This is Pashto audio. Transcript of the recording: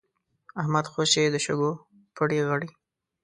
احمد خوشی د شګو پړي غړي.